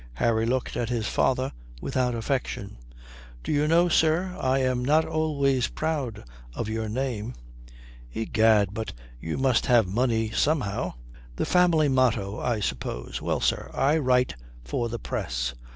Harry looked at his father without affection. "Do you know, sir, I am not always proud of your name." "Egad, but you must have money somehow." "The family motto, I suppose. Well, sir, I write for the Press."